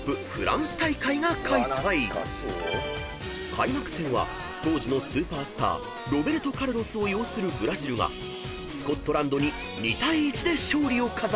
［開幕戦は当時のスーパースターロベルト・カルロスを擁するブラジルがスコットランドに２対１で勝利を飾った］